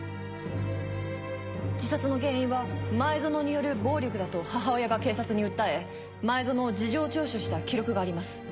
自殺の原因は前薗による暴力だと母親が警察に訴え前薗を事情聴取した記録があります。